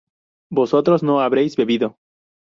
vosotros no habréis bebido